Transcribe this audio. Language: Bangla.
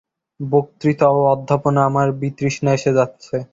বক্তৃতা এবং অধ্যাপনায় আমার বিতৃষ্ণা এসে যাচ্ছে।